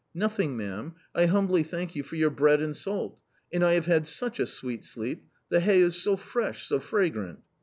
" Nothing, ma'am, I humbly thank you for your bread and salt .... and I have had such a sweet sleep ; the hay is so fresh, so fragrant."